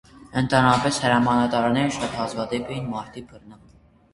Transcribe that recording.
Ընդհանրապես, հրամանատարները շատ հազվադեպ էին մարտի բռնվում։